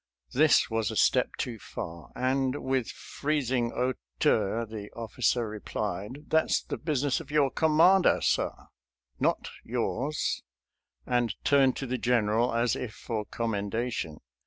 This was a step too far, and with freezing hauteur the officer replied, " That's the business of your commander, sir ; not yours," and turned to the General as if for commendation.